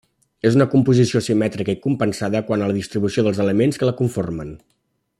És una composició simètrica i compensada quant a la distribució dels elements que la conformen.